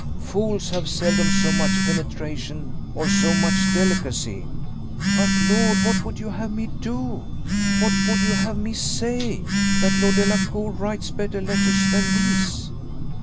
Fools have seldom so much penetration, or so much delicacy." "But, Lord! what would you have me do? what would you have me say? That Lord Delacour writes better letters than these?"